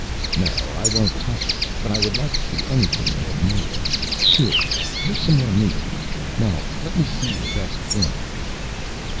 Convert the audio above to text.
"No, I won't touch it. But I would like to see anything they have made. Here, here's some more meat. Now let me see your best thing."